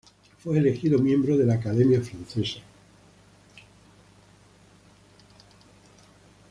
Fue elegido miembro de la Academia francesa.